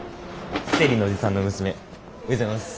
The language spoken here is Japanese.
生理のおじさんの娘おはようございます。